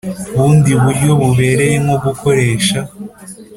Bundi buryo bubereye nko gukoresha